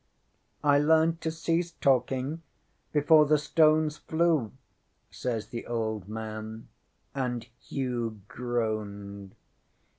ŌĆØ ŌĆśŌĆ£I learned to cease talking before the stones flew, ŌĆØ says the old man, and Hugh groaned.